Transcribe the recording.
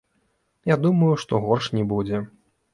Я думаю, што горш не будзе.